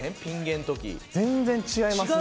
全然違いますね。